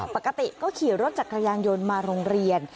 ปกติก็ขี่รถจักรยานยนต์มาโรงเรียน